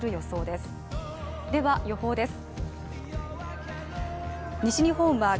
では、予報です。